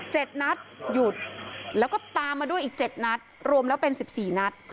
นัดหยุดแล้วก็ตามมาด้วยอีกเจ็ดนัดรวมแล้วเป็นสิบสี่นัด